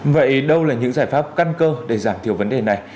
vậy đâu là những giải pháp căn cơ để giảm thiểu vấn đề này